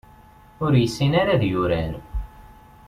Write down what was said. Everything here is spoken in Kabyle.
Ur yessin ara ad yurar.